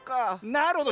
なるほど。